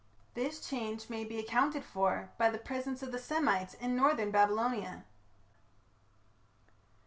This change may be accounted for by the presence of the Semites in northern Babylonia.